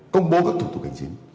công bố các thủ tục hành chính